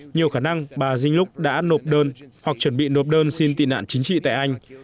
nhiều khả năng bà dinh lúc đã nộp đơn hoặc chuẩn bị nộp đơn xin tị nản chính trị tại anh